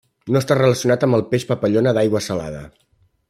No està relacionat amb el peix papallona d'aigua salada.